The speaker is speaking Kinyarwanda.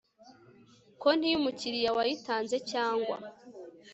konti y umukiriya wayitanze cyangwa